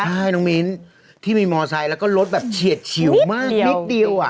ใช่น้องมิ้นที่มีมอไซค์แล้วก็รถแบบเฉียดฉิวมากนิดเดียวอ่ะ